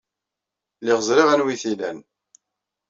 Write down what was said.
Lliɣ ẓriɣ anwa ay t-ilan.